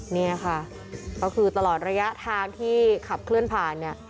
นี่ค่ะก็คือตลอดระยะทางที่ขับเคลื่อนผ่านเนี่ย